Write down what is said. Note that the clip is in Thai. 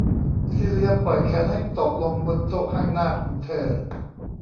ซีเลียปล่อยแขนให้ตกลงบนโต๊ะข้างหน้าของเธอ